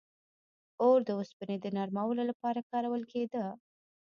• اور د اوسپنې د نرمولو لپاره کارول کېده.